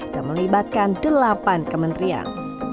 dan melibatkan delapan kementrian